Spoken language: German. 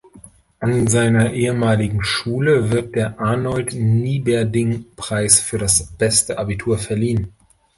An seiner ehemaligen Schule wird der Arnold-Nieberding-Preis für das beste Abitur verliehen.